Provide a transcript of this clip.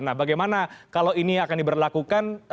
nah bagaimana kalau ini akan diberlakukan